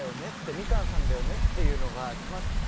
「みかんさんだよね」っていうのが決まって。